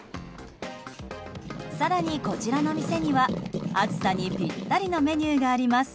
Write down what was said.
更にこちらの店には、暑さにぴったりのメニューがあります。